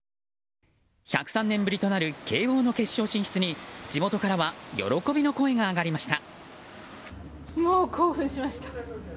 １０３年ぶりとなる慶応の決勝進出に、地元からは喜びの声が上がりました。